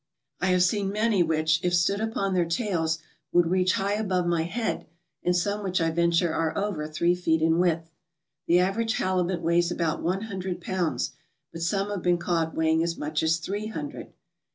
I have seen many which, if stood upon their tails, would reach high above my head and some which I venture are over three feet in width. The average halibut weighs about one hundred pounds, but some have been taught weighing as much as three hundred.